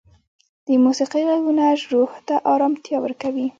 د موسیقۍ ږغونه روح ته ارامتیا ورکوي.